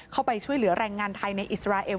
เข้าไปช่วยเหลือแรงงานไทยในอิสราเอล